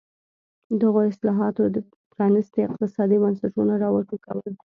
دغو اصلاحاتو پرانېستي اقتصادي بنسټونه را وټوکول.